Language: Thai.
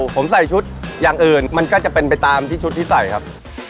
ผมใส่ชุดอย่างอื่นมันก็จะเป็นไปตามที่ชุดที่ใส่ครับ